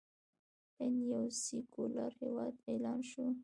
هند یو سیکولر هیواد اعلان شو.